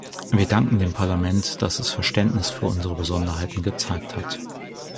Wir danken dem Parlament, dass es Verständnis für unsere Besonderheiten gezeigt hat.